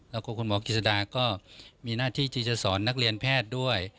แล้วก็คุณหมอกิจสดาก็มีหน้าที่ที่จะสอนนักเรียนแพทย์ด้วย